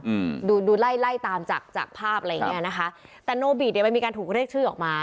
อืมดูดูไล่ไล่ตามจากจากภาพอะไรอย่างเงี้ยนะคะแต่โนบีเนี้ยมันมีการถูกเรียกชื่อออกมา